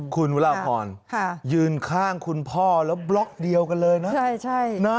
คุณวราพรยืนข้างคุณพ่อแล้วบล็อกเดียวกันเลยนะ